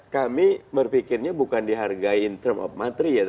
kami berpikirnya bukan dihargai in term of material